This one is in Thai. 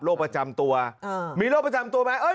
ประจำตัวมีโรคประจำตัวไหม